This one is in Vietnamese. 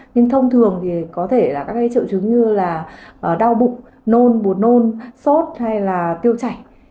nhưng thông thường thì có thể là các triệu chứng như là đau bụng nôn bột nôn sốt hay là tiêu chảy